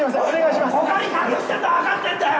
ここに隠してるのはわかってるんだよ！